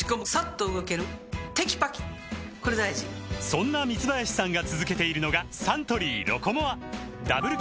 そんな三林さんが続けているのがサントリー「ロコモア」ダブル